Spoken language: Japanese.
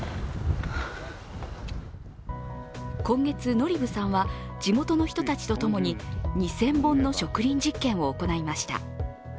今月、ノリブさんは地元の人たちと共に２０００本の植林実験を行いました。